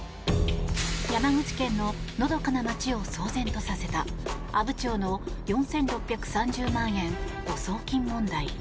山口県ののどかな町を騒然とさせた阿武町の４６３０万円誤送金問題。